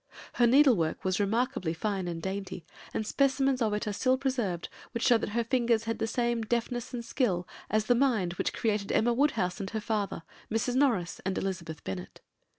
Her needlework was remarkably fine and dainty, and specimens of it are still preserved which show that her fingers had the same deftness and skill as the mind which created Emma Woodhouse and her father, Mrs. Norris and Elizabeth Bennet.